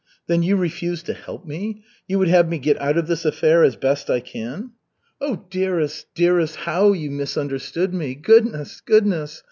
"Then you refuse to help me? You would have me get out of this affair as best I can?" "Oh, dearest, dearest, how you misunderstood me! Goodness, goodness!